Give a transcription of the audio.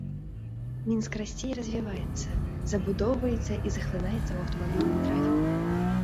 Мінск расце і развіваецца, забудоўваецца і захлынаецца ў аўтамабільным трафіку.